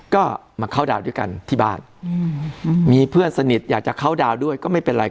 ก็มาเข้าดาวด้วยกันที่บ้านมีเพื่อนสนิทอยากจะเข้าดาวด้วยก็ไม่เป็นไร